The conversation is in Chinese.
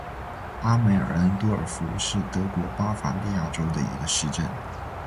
阿梅尔恩多尔夫是德国巴伐利亚州的一个市镇。